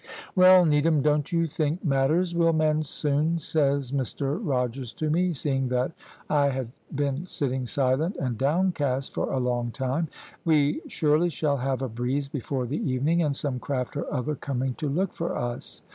"`Well, Needham, don't you think matters will mend soon?' says Mr Rogers to me, seeing that I had been sitting silent and downcast for a long time. `We surely shall have a breeze before the evening, and some craft or other coming to look for us.'